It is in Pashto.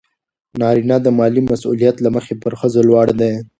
نارینه د مالي مسئولیت له مخې پر ښځو لوړ دی.